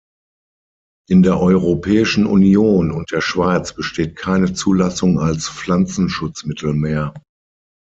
In der Europäischen Union und der Schweiz besteht keine Zulassung als Pflanzenschutzmittel mehr.